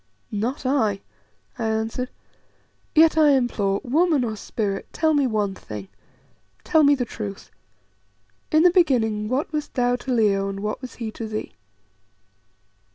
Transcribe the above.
"Not I," I answered. "Yet I implore, woman or spirit, tell me one thing. Tell me the truth. In the beginning what wast thou to Leo, and what was he to thee?"